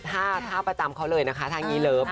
ถ้ามาตามเค้าเลยนะคะถ้างี้เลิฟ